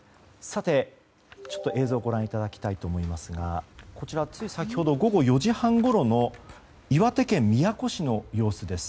さて、映像をご覧いただきたいと思いますがこちらは、つい先ほど午後４時半ごろの岩手県宮古市の様子です。